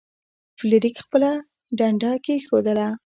فلیریک خپله ډنډه کیښودله.